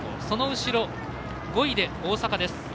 その後ろ、５位で大阪です。